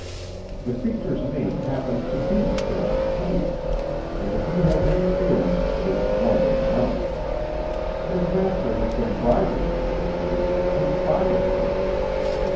The creature's name happens to be Stone, too; and if he has any feeling it is love of money. His master has been bribing him, it seems, to spy upon me.